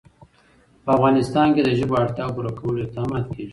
په افغانستان کې د ژبو اړتیاوو پوره کولو اقدامات کېږي.